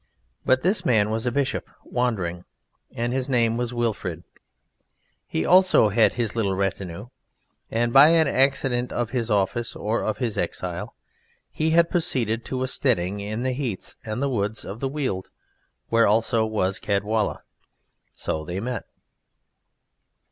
But this man was a bishop wandering, and his name was Wilfrid. He also had his little retinue, and, by an accident of his office or of his exile, he had proceeded to a steading in the heaths and woods of the Weald where also was Caedwalla: so they met.